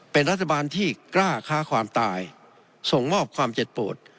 เป็นรัฐบาลที่กล้าค้าความตายส่งมอบความเจ็บปวด